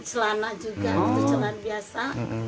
selana juga itu selana biasa